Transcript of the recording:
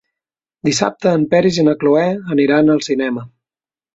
Dissabte en Peris i na Cloè aniran al cinema.